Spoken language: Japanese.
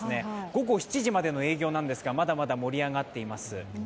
午後７時までの営業なんですがまだまだ盛り上がっています。